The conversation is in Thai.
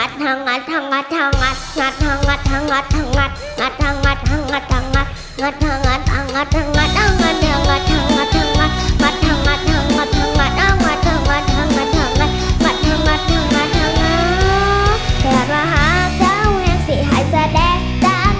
เกิดว่าหาเจ้าแห่งสิหายเสด็จจัง